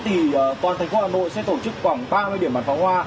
thì toàn thành phố hà nội sẽ tổ chức khoảng ba mươi điểm bản pháo hoa